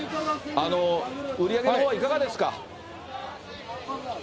売り上げのほうはいかがですか？